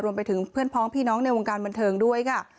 รวมไปถึงเพื่อนพ้องพี่น้องในวงการบันเทิงด้วยค่ะ